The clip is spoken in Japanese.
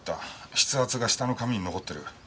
筆圧が下の紙に残ってる。